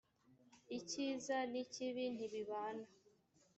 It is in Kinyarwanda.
icyiza n ‘ikibi ntibibana.